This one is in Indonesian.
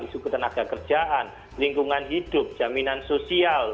isu ketenaga kerjaan lingkungan hidup jaminan sosial